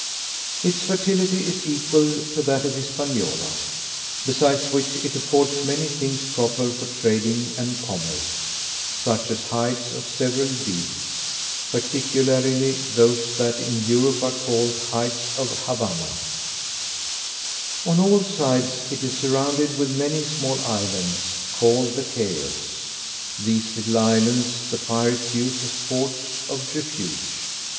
Its fertility is equal to that of Hispaniola; besides which, it affords many things proper for trading and commerce; such as hides of several beasts, particularly those that in Europe are called hides of Havanna. On all sides it is surrounded with many small islands, called the Cayos: these little islands the pirates use as ports of refuge.